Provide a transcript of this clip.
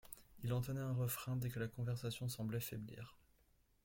Il entonnait un refrain, dès que la conversation semblait faiblir.